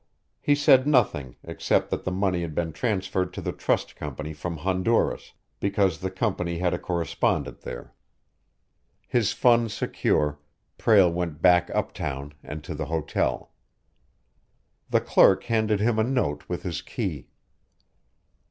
He said nothing, except that the money had been transferred to the trust company from Honduras, because the company had a correspondent there. His funds secure, Prale went back uptown and to the hotel. The clerk handed him a note with his key.